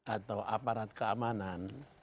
atau aparat keamanan